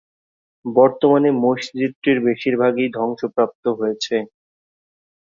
বর্তমানে মসজিদটির বেশিরভাগই ধ্বংসপ্রাপ্ত হয়েছে।